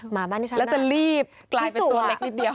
มาบ้านที่ฉันแล้วจะรีบกลายเป็นตัวเล็กนิดเดียว